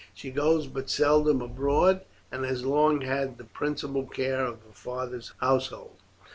"She goes but seldom abroad, and has long had the principal care of her father's household."